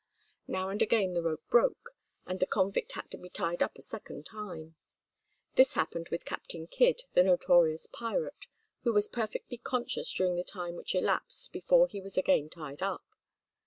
Now and again the rope broke, and the convict had to be tied up a second time. This happened with Captain Kidd, the notorious pirate, who was perfectly conscious during the time which elapsed before he was again tied up.